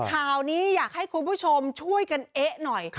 ข่าวนี้อยากให้คุณผู้ชมช่วยกันเอ๊ะหน่อย